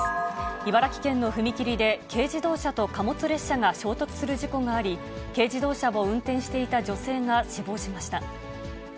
茨城県の踏切で、軽自動車と貨物列車が衝突する事故があり、軽自動車を運転していた女性が死亡しました。